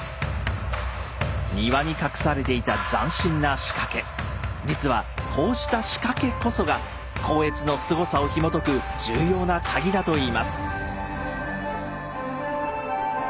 庭に隠されていた実はこうした仕掛けこそが光悦のすごさをひもとく重要なカギだといいます。